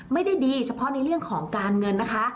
ไม่ได้ดีเฉพาะในเรื่องของการเงินนะคะ